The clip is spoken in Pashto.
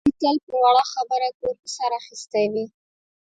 علي تل په وړه خبره کور په سر اخیستی وي.